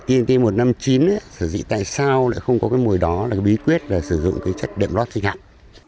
thế ở tnt một trăm năm mươi chín tại sao lại không có cái mùi đó là bí quyết sử dụng cái chất đậm lót sinh hạng